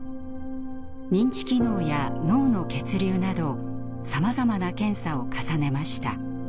認知機能や脳の血流などさまざまな検査を重ねました。